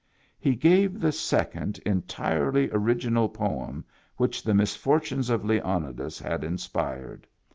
He gave the second entirely original poem which the misfortunes of Leonidas had inspired.